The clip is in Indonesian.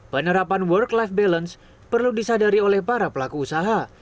penerapan work life balance perlu disadari oleh para pelaku usaha